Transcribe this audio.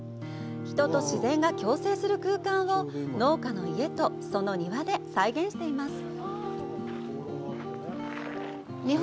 人と自然が共生する空間を農家の家とその庭で再現しています。